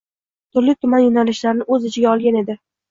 Turli-tuman yoʻnalishlarni oʻz ichiga olgan edi.